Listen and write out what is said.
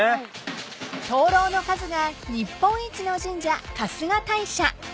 ［灯籠の数が日本一の神社春日大社］